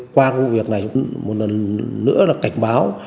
qua công việc này một lần nữa là cảnh báo